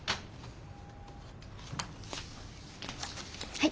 はい。